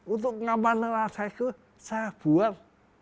untuk ngamarkan naskah itu saya buat